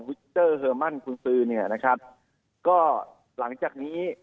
วิสเตอร์เฮอร์มั่นกุญสือเนี่ยนะครับก็หลังจากนี้